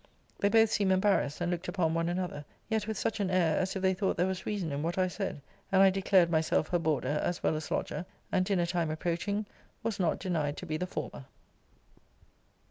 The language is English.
They both seemed embarrassed; and looked upon one another; yet with such an air, as if they thought there was reason in what I said. And I declared myself her boarder, as well as lodger; and dinner time approaching, was not denied to be the former.